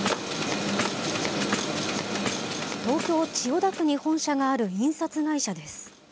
東京・千代田区に本社がある印刷会社です。